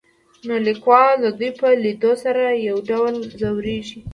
نو ليکوال د دوي په ليدو سره يو ډول ځوريږي.